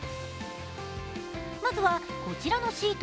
まずは、こちらのシート。